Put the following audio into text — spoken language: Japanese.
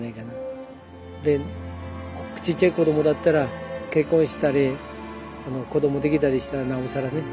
でちっちゃい子供だったら結婚したり子供できたりしたらなおさらね。